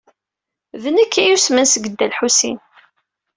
D nekk ay yusmen seg Dda Lḥusin.